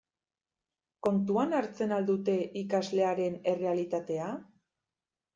Kontuan hartzen al dute ikaslearen errealitatea?